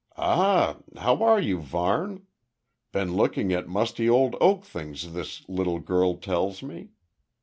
"Ah, how are you, Varne? Been looking at musty old oak things this little girl tells me.